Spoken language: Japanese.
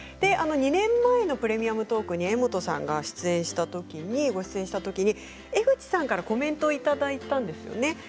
２年前の「プレミアムトーク」に柄本さんがご出演したときに江口さんからコメントをいただいたんですね。